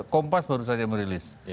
kompas baru saja merilis